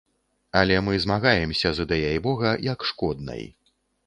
Але мы змагаемся з ідэяй бога як шкоднай.